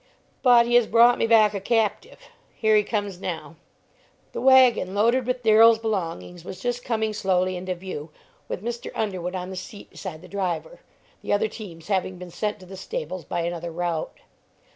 "But he has brought me back a captive; here he comes now!" The wagon loaded with Darrell's belongings was just coming slowly into view, with Mr. Underwood on the seat beside the driver, the other teams having been sent to the stables by another route.